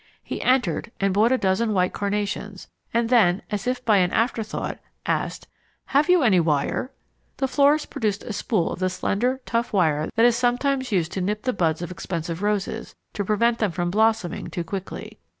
He entered and bought a dozen white carnations, and then, as if by an afterthought, asked "Have you any wire?" The florist produced a spool of the slender, tough wire that is sometimes used to nip the buds of expensive roses, to prevent them from blossoming too quickly.